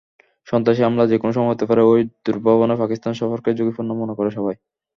সন্ত্রাসী হামলা যেকোনো সময় হতে পারে—এই দুর্ভাবনায় পাকিস্তান সফরকে ঝুঁকিপূর্ণ মনে করে সবাই।